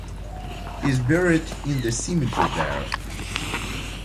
He is buried in the cemetery there.